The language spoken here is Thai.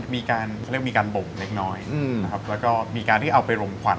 มันมีการบ่มเล็กน้อยแล้วก็มีการที่เอาไปลมควัน